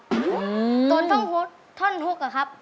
ต้นต้องท่อนทุกอ่ะครับ